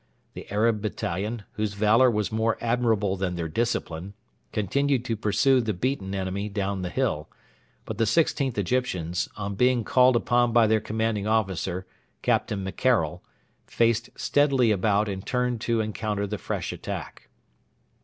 The Arab battalion, whose valour was more admirable than their discipline, continued to pursue the beaten enemy down the hill; but the 16th Egyptians, on being called upon by their commanding officer, Captain McKerrell, faced steadily about and turned to encounter the fresh attack.